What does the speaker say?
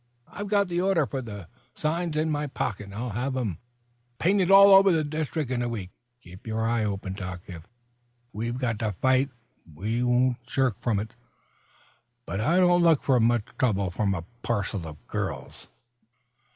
"I've got the order for these signs in my pocket, and I'll have 'em painted all over the district in a week. Keep your eyes open, Doc. If we've got to fight we won't shirk it; but I don't look for much trouble from a parcel of girls."